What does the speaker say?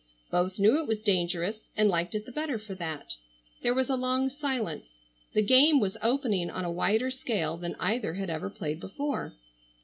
Both knew it was dangerous, and liked it the better for that. There was a long silence. The game was opening on a wider scale than either had ever played before.